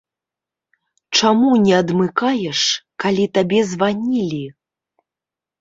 Чаму не адмыкаеш, калі табе званілі?